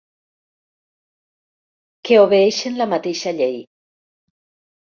Que obeeixen la mateixa llei.